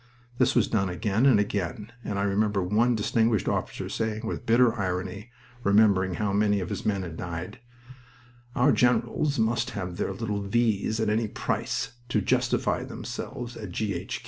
This was done again and again, and I remember one distinguished officer saying, with bitter irony, remembering how many of his men had died, "Our generals must have their little V's at any price, to justify themselves at G. H.